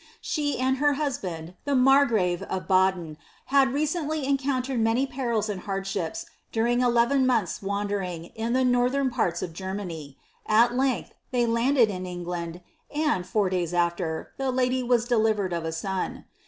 She and her husband, the ■■i|imr of Baden, had recently encountered many perils and hardships dnring eleven months' wanderings in the northern parts of Germany. At length, they landed in England, and, four days after, the lady was delivered of a son.